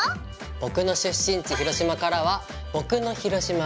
僕の出身地広島からは僕の広島ＬＯＶＥ